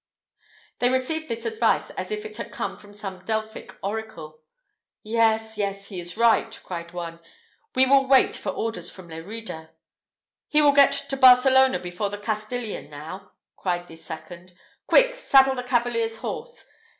They received this advice as if it had come from the Delphic Oracle. "Yes, yes, he is right," cried one; "we will wait for orders from Lerida." "He will get to Barcelona before the Castilian now!" cried a second: "Quick! saddle the cavalier's horse!"